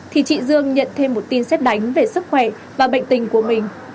thì chị dương nhận thêm một tin xét đánh về sức khỏe và bệnh tình của mình